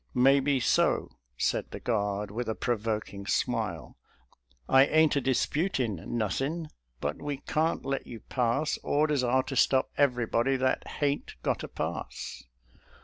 " Maybe so," said the guard, with a provoking smile. " I ain't a disputin' nothin', but we can't let you pass; orders are to stop everybody that hain't got a pass."